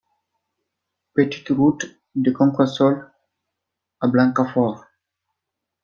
Petite Route de Concressault à Blancafort